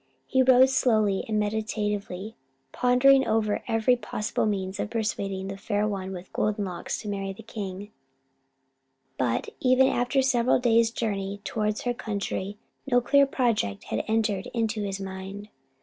He rode slowly and meditatively, pondering over every possible means of persuading the Fair One with Golden Locks to marry the king; but, even after several days' journey towards her country, no clear project had entered into his mind.